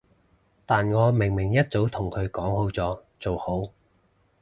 但我明明一早同佢講好咗，做好